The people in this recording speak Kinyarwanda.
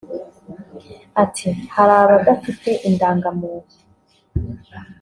Ati “Hari abadafite indagamuntu